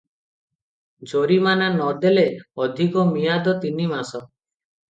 ଜରିମାନା ନ ଦେଲେ ଅଧିକ ମିଆଦ ତିନିମାସ ।'